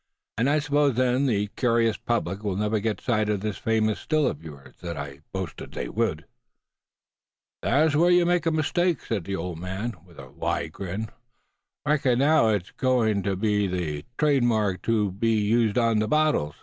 And I suppose then that the curious public will never get the sight of this famous Still of yours, that I boasted they would." "Thet's whar yuh makes a mistake, suh," said the old man, with a wide grin. "I reckons now as it's a gwine to be ther trade mark ter be used on ther bottles.